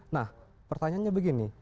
nah pertanyaannya begini